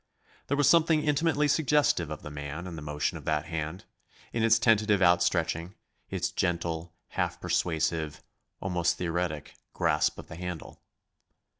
There was something intimately suggestive of the man in the motion of that hand, in its tentative outstretching, its gentle, half persuasive almost theoretic grasp of the handle.